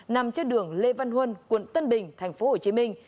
nằm trên đường lê văn huân quận tân bình tp hcm